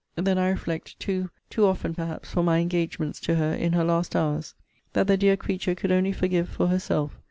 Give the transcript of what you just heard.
Then I reflect, too, too often perhaps for my engagements to her in her last hours, that the dear creature could only forgive for herself.